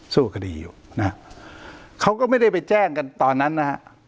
สู้คดีอยู่นะเขาก็ไม่ได้ไปแจ้งกันตอนนั้นนะฮะ